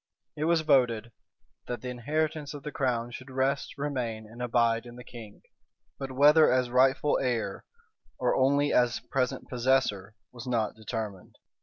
It was voted, "That the inheritance of the crown should rest, remain, and abide in the king:" [] but whether as rightful heir, or only as present possessor, was not determined.